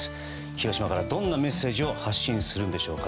広島からどんなメッセージを発信するんでしょうか。